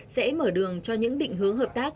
sẽ mở đường cho những định hướng hợp tác